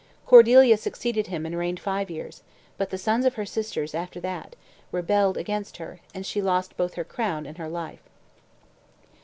Cordeilla succeeded him and reigned five years; but the sons of her sisters, after that, rebelled against her, and she lost both her crown and life.